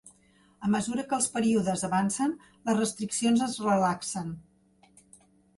A mesura que els períodes avancen, les restriccions es relaxen.